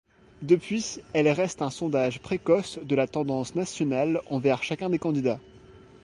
Depuis, elle reste un sondage précoce de la tendance nationale envers chacun des candidats.